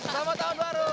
selamat tahun baru